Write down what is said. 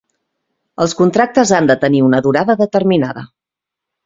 Els contractes han de tenir una durada determinada.